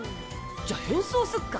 じゃあ変装すっか。